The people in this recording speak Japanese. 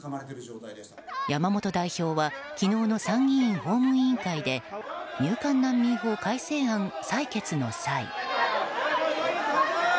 山本代表は昨日の参議院法務委員会で入管難民法改正案採決の際。